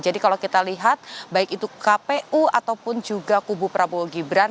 jadi kalau kita lihat baik itu kpu ataupun juga kubu prabowo gibran